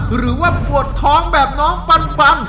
หรือว่าปวดท้องแบบน้องปัน